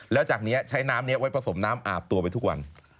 แล้วจากนี้ใช้น้ำนี้ไว้ผสมน้ำอาบตัวไปทุกวัน